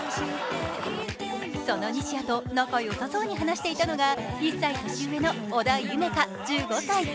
その西矢と仲よさそうに話していたのが、１歳年上の織田。